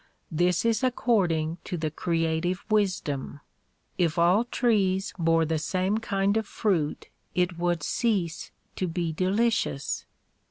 This is according to the creative wisdom. If all trees bore the same kind of fruit it would cease to be delicious.